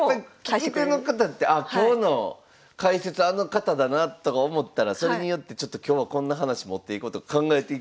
聞き手の方って今日の解説あの方だなとか思ったらそれによってちょっと今日はこんな話持っていこうとか考えて。